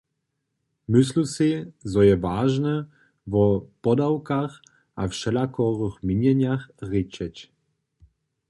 Myslu sej, zo je wažne wo podawkach a wšelakorych měnjenjach rěčeć.